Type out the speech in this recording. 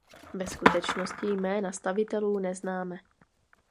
Ve skutečnosti jména stavitelů neznáme.